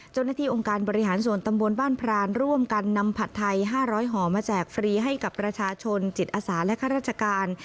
เจ้าหน้าที่องค์การบริหารส่วนตำบลบ้านพรานร่วมกันนำผัดไทย๕๐๐ห่อมาแจกฟรีให้กับประชาชนจิตอาสาและข้าราชการ